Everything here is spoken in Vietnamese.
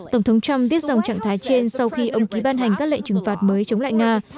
tổng thống trump viết dòng trạng thái trên sau khi ông ký ban hành các lệnh trừng phạt mới chống lại nga